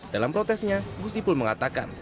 dalam protesnya gus ipul mengatakan